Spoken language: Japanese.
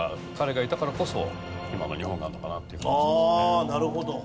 ああなるほど。